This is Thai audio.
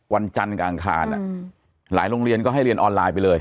วันจันทร์กลางอังคารหลายโรงเรียนก็ให้เรียนออนไลน์ไปเลย